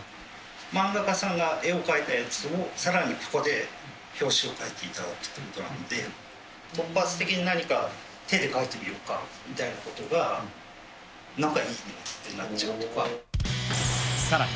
漫画家さんが絵を描いたやつを、さらにここで表紙を描いていただくということなので、突発的に何か、手で描いてみようかみたいなことが、なんかいいねってなっちゃうさらに、